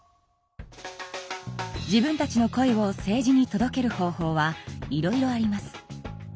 自分たちの声を政治に届ける方法はいろいろあります。